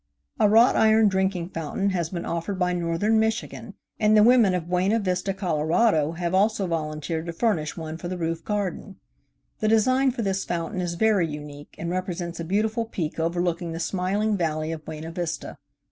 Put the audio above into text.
A wrought iron drinking fountain has been offered by Northern Michigan, and the women of Buena Vista, Colorado, have also volunteered to furnish one for the roof garden. The design for this fountain is very unique and represents a beautiful peak overlooking the smiling valley of Buena Vista.